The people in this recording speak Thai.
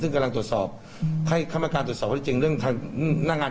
ซึ่งกำลังตรวจสอบให้คำปักการณ์ตรวจสอบให้เงียบเรื่องของหน้างาน